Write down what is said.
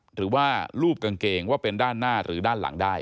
หรือว่ารูปกางเกงว่าเป็นด้านหน้าหรือด้านหลังได้